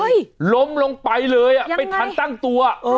เบิร์ตลมเสียโอ้โห